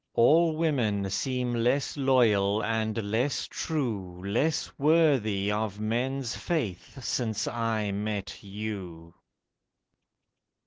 All women seem less loyal and less true, Less worthy of men's faith since I met you.